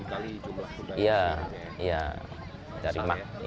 dikali jumlah kuda yang ada di sana ya